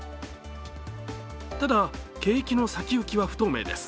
ただ、景気の先行きは不透明です。